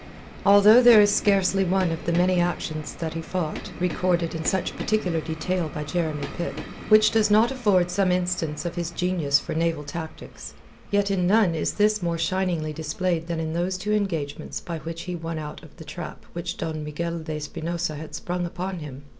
Although there is scarcely one of the many actions that he fought recorded in such particular detail by Jeremy Pitt which does not afford some instance of his genius for naval tactics, yet in none is this more shiningly displayed than in those two engagements by which he won out of the trap which Don Miguel de Espinosa had sprung upon him.